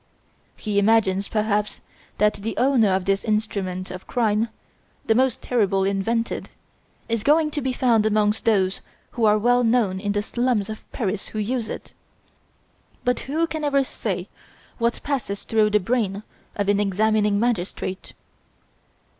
He imagines, perhaps, that the owner of this instrument of crime, the most terrible invented, is going to be found amongst those who are well known in the slums of Paris who use it. But who can ever say what passes through the brain of an examining magistrate?"